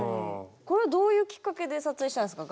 これはどういうきっかけで撮影したんですか？